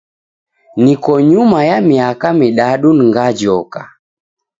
Niko nyuma ya miaka midadu ngajoka.